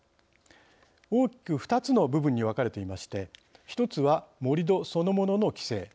大きく２つの部分に分かれていまして一つは盛り土そのものの規制